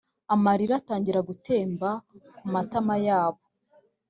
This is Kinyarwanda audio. amarira atangira gutemba kumatama yabo.